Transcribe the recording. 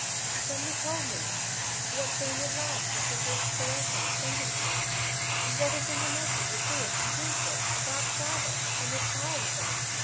Then he told me what being at large before the expiration of sentence meant, and what his information would do if he used it, about father, when the trial was on.